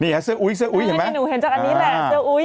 เสื้ออุ๊ยเสื้ออุ๊ยเห็นไหมหนูเห็นจากอันนี้แหละเสื้ออุ๊ย